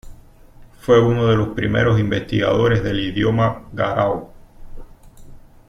Fue uno de los primeros investigadores del idioma warao.